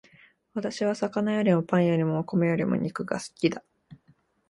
私は魚よりもパンよりもお米よりも肉が好きだ